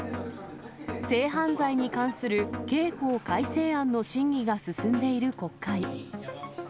性犯罪に関する刑法改正案の審議が進んでいる国会。